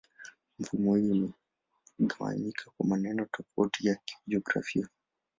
Mifumo hii imegawanyika kwa maeneo tofauti ya kijiografia.